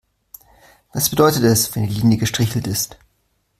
Was bedeutet es, wenn die Linie gestrichelt ist?